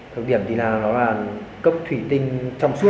đặc điểm thì nó là cốc thủy tinh trong suốt